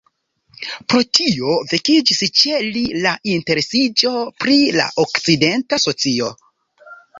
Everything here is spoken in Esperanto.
Pro tio vekiĝis ĉe li la interesiĝo pri la okcidenta socio.